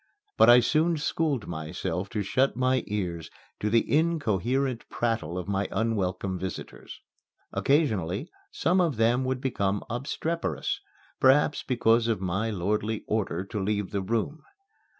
But I soon schooled myself to shut my ears to the incoherent prattle of my unwelcome visitors. Occasionally, some of them would become obstreperous perhaps because of my lordly order to leave the room.